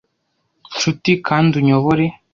nshuti, kandi unyobore? ”